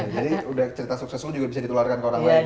jadi cerita sukses lo juga bisa ditularkan ke orang lain